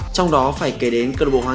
trong đó phải kể đến